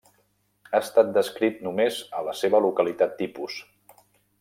Ha estat descrit només a la seva localitat tipus.